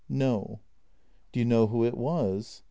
" "No." " Do you know who it was?